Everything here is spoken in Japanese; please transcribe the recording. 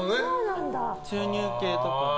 注入系とか。